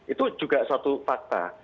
itu juga satu fakta